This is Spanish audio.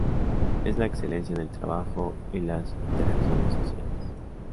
Es la excelencia en el trabajo y en las interacciones sociales.